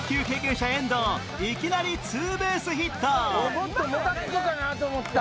俺もっともたつくかなと思った。